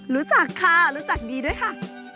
รู้จักค่ะรู้จักดีด้วยค่ะ